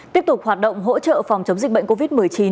tiếp tục hoạt động hỗ trợ phòng chống dịch bệnh covid một mươi chín